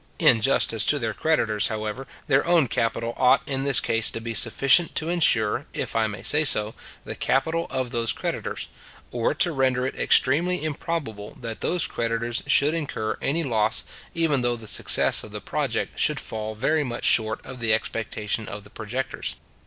In justice to their creditors, however, their own capital ought in this case to be sufficient to insure, if I may say so, the capital of those creditors; or to render it extremely improbable that those creditors should incur any loss, even though the success of the project should fall very much short of the expectation of the projectors.